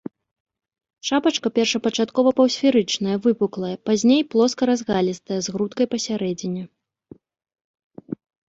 Шапачка першапачаткова паўсферычная, выпуклая, пазней плоска-разгалістая, з грудкай пасярэдзіне.